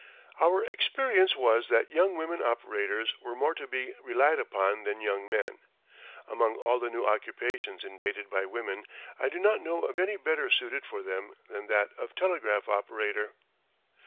Our experience was that young women operators were more to be relied upon than young men. Among all the new occupations invaded by women I do not know of any better suited for them than that of telegraph operator.